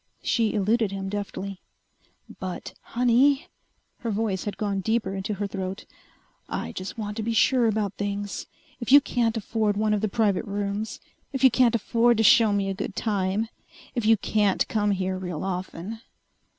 She eluded him deftly. "But, honey!" Her voice had gone deeper into her throat. "I just want to be sure about things. If you can't afford one of the private rooms if you can't afford to show me a good time if you can't come here real often